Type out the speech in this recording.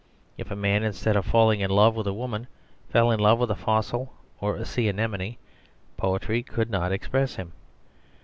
If a man, instead of falling in love with a woman, fell in love with a fossil or a sea anemone, poetry could not express him.